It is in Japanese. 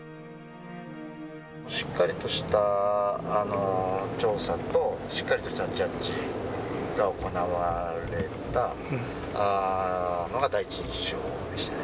しっかりとした調査と、しっかりとしたジャッジが行われたのが、第一印象でした。